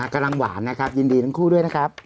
กำลังหวานนะครับยินดีทั้งคู่ด้วยนะครับ